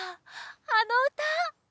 あのうた！